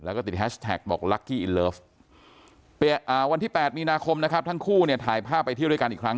วันที่๘นินาคมนะครับทั้งคู่เนี่ยถ่ายภาพไปเที่ยวด้วยกันอีกครั้ง